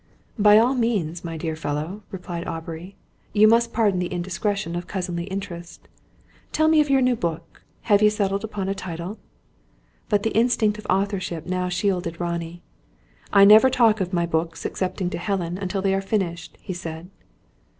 "By all means, my dear fellow," replied Aubrey. "You must pardon the indiscretion of cousinly interest. Tell me of your new book. Have you settled upon a title?" But the instinct of authorship now shielded Ronnie. "I never talk of my books, excepting to Helen, until they are finished," he said.